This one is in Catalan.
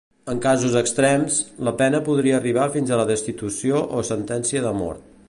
En casos extrems, la pena podria arribar fins a la destitució o sentència de mort.